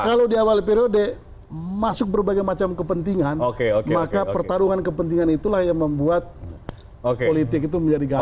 kalau di awal periode masuk berbagai macam kepentingan maka pertarungan kepentingan itulah yang membuat politik itu menjadi gagal